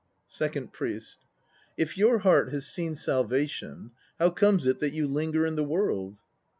SECOND PRIEST. If your heart has seen salvation, how comes it that you linger in the World?